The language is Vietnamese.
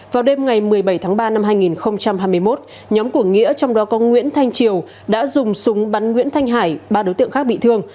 vào đêm ngày một mươi bảy tháng ba năm hai nghìn hai mươi một nhóm của nghĩa trong đó có nguyễn thanh triều đã dùng súng bắn nguyễn thanh hải ba đối tượng khác bị thương